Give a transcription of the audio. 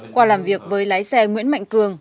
qua làm việc với lái xe nguyễn mạnh cường